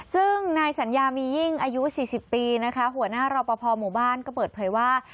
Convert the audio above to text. ซึ่งนายสัญญามียิ่งอายุ๔๐ปีนะคะหัวหน้ารอปภหมู่บ้านก็เปิดเผยว่า